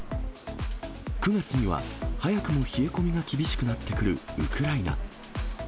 ９月には、早くも冷え込みが厳しくなってくるウクライナ。